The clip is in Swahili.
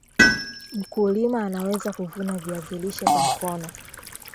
mkulima anaweza kuvuna viazi lishe kwa mkono